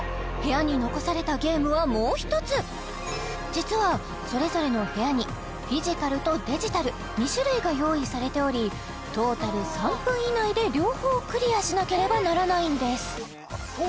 なんと実はそれぞれの部屋にフィジカルとデジタル２種類が用意されておりトータル３分以内で両方クリアしなければならないんです